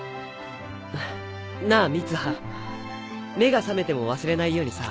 なぁ三葉目が覚めても忘れないようにさ。